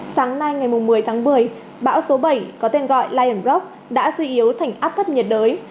sáng nay ngày một mươi tháng một mươi bão số bảy có tên gọi lion rock đã duy yếu thành áp thấp nhiệt đới